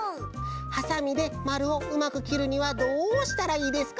「はさみでまるをうまくきるにはどうしたらいいですか？」